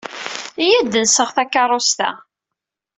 Iyya ad d-nseɣ takeṛṛust-a.